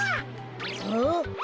あっ？